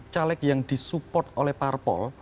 caleg yang disupport oleh parpol